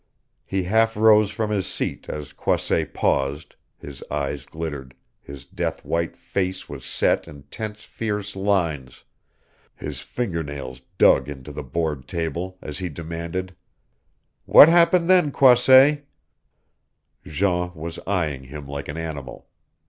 He half rose from his seat as Croisset paused; his eyes glittered, his death white face was set in tense fierce lines, his finger nails dug into the board table, as he demanded, "What happened then, Croisset?" Jean was eying him like an animal.